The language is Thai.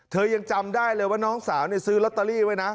ยังจำได้เลยว่าน้องสาวซื้อลอตเตอรี่ไว้นะ